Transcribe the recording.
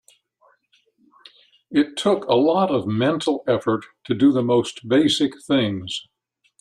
It took a lot of mental effort to do the most basic things.